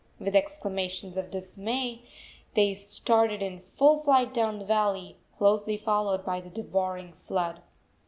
With exclamations of dismay they started in full flight down the valley, closely followed by the devouring flood.